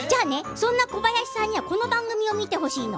そんな小林さんにはこの番組を見てほしいの。